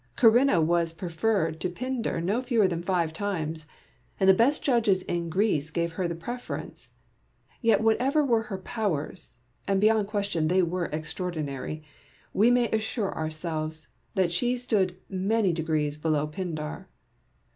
Coi'inna was preferred to Pindar no fewer than five times, and the best judges in Greece gave her the preference ', yet whatever were her powers, and beyond a question they were extraordinary, we may assure ourselves that she stood many degrees below Pindar.